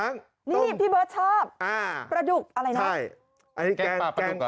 นี่พี่เบิ้ลชอบประดุกอะไรนะ